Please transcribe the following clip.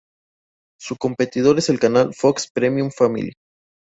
Su competidor es el canal Fox Premium Family.